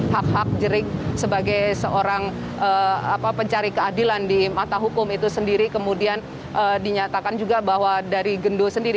hak hak jerik sebagai seorang pencari keadilan di mata hukum itu sendiri kemudian dinyatakan juga bahwa dari gendo sendiri